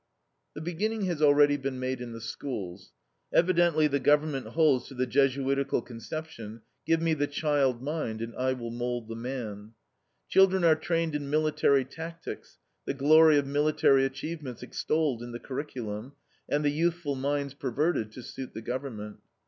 The beginning has already been made in the schools. Evidently the government holds to the Jesuitical conception, "Give me the child mind, and I will mould the man." Children are trained in military tactics, the glory of military achievements extolled in the curriculum, and the youthful minds perverted to suit the government.